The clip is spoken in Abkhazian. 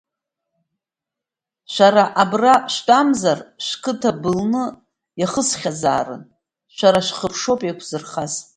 Шәара абра шәтәамзар, шәқыҭа былны иахысхьазаарын, шәара шәхыԥшоуп еиқәзырхаз.